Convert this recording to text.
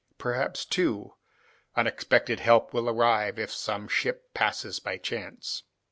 Perhaps, too, unexpected help will arrive, if some ship passes by chance.